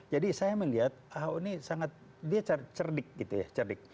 jadi saya melihat ah ini sangat dia cerdik gitu ya